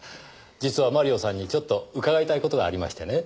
実はマリオさんにちょっと伺いたい事がありましてね。